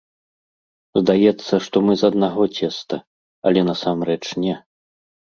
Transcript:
Здаецца, што мы з аднаго цеста, але насамрэч не.